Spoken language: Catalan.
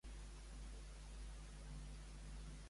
Quant li falta al lluç a la planxa que he encomanat per emportar?